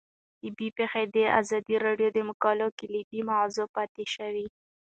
طبیعي پېښې د ازادي راډیو د مقالو کلیدي موضوع پاتې شوی.